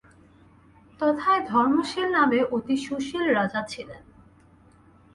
তথায় ধর্মশীল নামে অতি সুশীল রাজা ছিলেন।